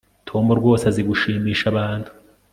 tom rwose azi gushimisha abantu